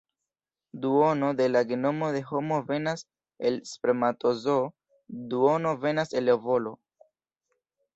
Duono de la genomo de homo venas el spermatozoo, duono venas el ovolo.